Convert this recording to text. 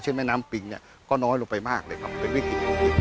เช่นแม่น้ำปิงก็น้อยลงไปมากเลยครับเป็นวิกฤติ